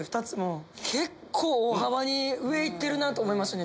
俺結構大幅に上いってるなと思いましたね